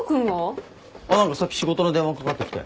何かさっき仕事の電話かかってきて。